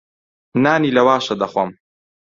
نانی لەواشە دەخۆم.